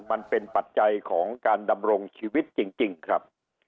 ปัจจัยของการดำรงชีวิตจริงครับ